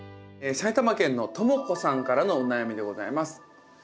埼玉県のともこさんからのお悩みでございます。